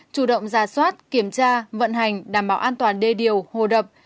chủ động ra soát kiểm tra vận hành đảm bảo an toàn đê điều hồ đập